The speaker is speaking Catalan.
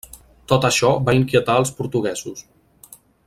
Tot això va inquietar als portuguesos.